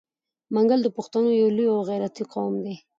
منګل د پښتنو یو لوی او غیرتي قوم دی.